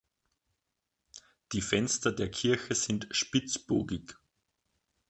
Die Fenster der Kirche sind spitzbogig.